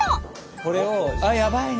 これをあっやばいね。